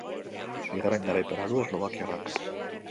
Bigarren garaipena du eslovakiarrak.